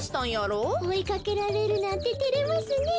おいかけられるなんててれますねえ。